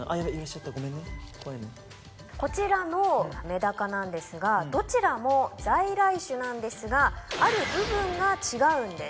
こちらのメダカなんですがどちらも在来種なんですがある部分が違うんです。